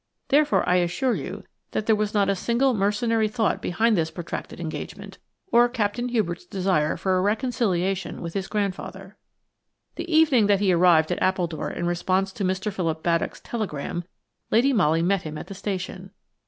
Therefore I assure you that there was not a single mercenary thought behind this protracted engagement or Captain Hubert's desire for a reconciliation with his grandfather. The evening that he arrived at Appledore in response to Mr. Philip Baddock's telegram Lady Molly met him at the station.